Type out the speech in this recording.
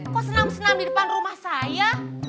kok senam senam di depan rumah saya